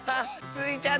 スイちゃん